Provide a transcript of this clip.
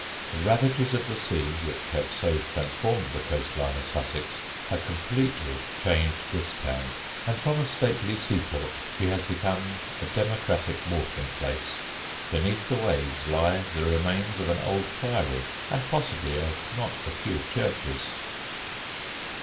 The ravages of the sea, which have so transformed the coast line of Sussex, have completely changed this town; and from a stately seaport she has become a democratic watering place. Beneath the waves lie the remains of an old Priory and possibly of not a few churches.